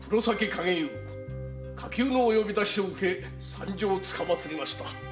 火急のお呼び出しを受け参上つかまつりました。